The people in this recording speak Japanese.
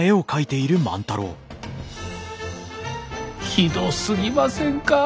ひどすぎませんか？